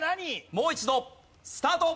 もう一度スタート。